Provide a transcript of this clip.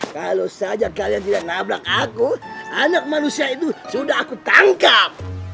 kalau saja kalian tidak nabrak aku anak manusia itu sudah aku tangkap